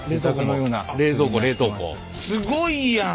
すごいやん。